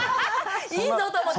いいぞ！と思って。